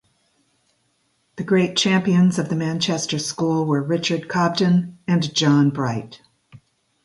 The great champions of the "Manchester School" were Richard Cobden and John Bright.